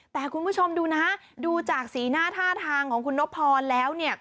แต่คุณผู้ชมดูนะดูจากสีหน้าท่าทางของคุณนพรแล้วเนี่ย